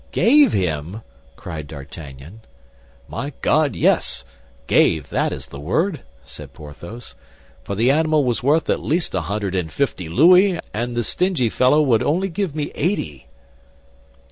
"Gave him?" cried D'Artagnan. "My God, yes, gave, that is the word," said Porthos; "for the animal was worth at least a hundred and fifty louis, and the stingy fellow would only give me eighty."